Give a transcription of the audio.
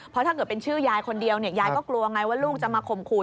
เพราะถ้าเกิดเป็นชื่อยายคนเดียวเนี่ยยายก็กลัวไงว่าลูกจะมาข่มขู่